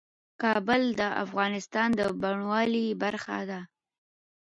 کابل د افغانستان د بڼوالۍ برخه ده.